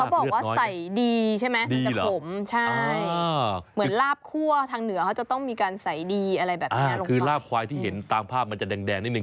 อ๋อคือราบควายที่เห็นตามภาพมันจะแดงนิดนึง